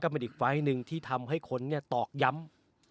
แล้วก็มีอีกไฟท์นึงที่ทำให้คนต่อกย้ำ